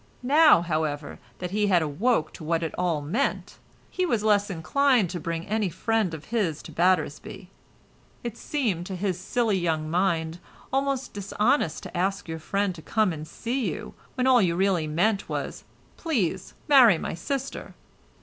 Now, however, that he had awoke to what it all meant, he was less inclined to bring any friend of his to Battersby. It seemed to his silly young mind almost dishonest to ask your friend to come and see you when all you really meant was "Please, marry my sister."